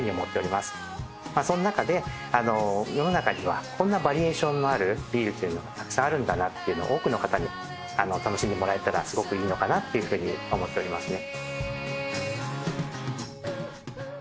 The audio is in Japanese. まぁその中で世の中にはこんなバリエーションのあるビールというのがたくさんあるんだなっていうのを多くの方に楽しんでもらえたらすごくいいのかなっていうふうに思っておりますね。